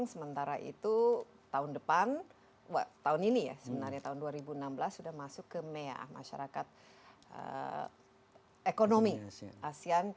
sementara itu tahun depan tahun ini ya sebenarnya tahun dua ribu enam belas sudah masuk ke mea masyarakat ekonomi asean